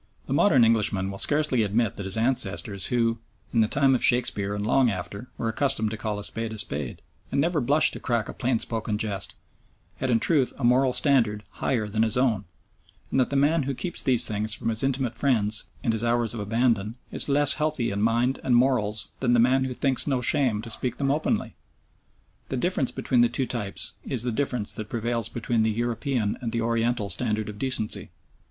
The modern Englishman will scarcely admit that his ancestors who, in the time of Shakespeare and long after, were accustomed to call a spade a spade, and never blushed to crack a plain spoken jest, had in truth a moral standard higher than his own, and that the man who keeps these things for his intimate friends and his hours of abandon is less healthy in mind and morals than the man who thinks no shame to speak them openly. The difference between the two types is the difference that prevails between the European and the Oriental standard of decency.